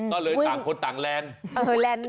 ก็เลยต่างคนต่างแลนด์